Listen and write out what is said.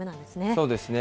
そうですね。